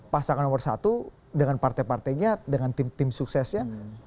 pasangan nomor satu dengan partai partainya dengan tim suksesnya